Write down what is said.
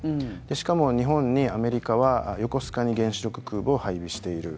しかも、日本にアメリカは横須賀に原子力空母を配備している。